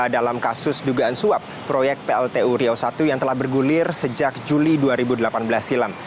dalam kasus dugaan suap proyek pltu riau i yang telah bergulir sejak juli dua ribu delapan belas silam